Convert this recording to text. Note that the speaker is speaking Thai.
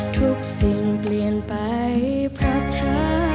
ทุกสิ่งเปลี่ยนไปเพราะเธอ